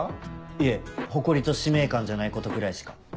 いえ誇りと使命感じゃないことぐらいしか。